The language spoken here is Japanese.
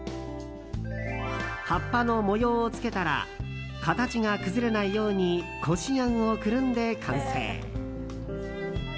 葉っぱの模様をつけたら形が崩れないようにこしあんをくるんで完成。